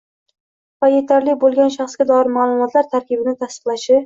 va yetarli bo‘lgan shaxsga doir ma’lumotlar tarkibini tasdiqlashi;